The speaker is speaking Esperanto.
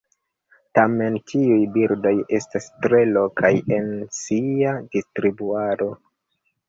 Tamen tiuj birdoj estas tre lokaj en sia distribuado.